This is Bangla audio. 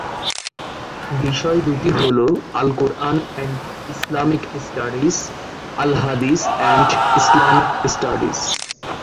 বিষয় দুটি হলো Al Quran and Islamic studies, Al Hadith and Islamic studies.